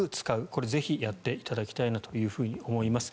これぜひやっていただきたいなと思います。